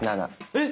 えっ！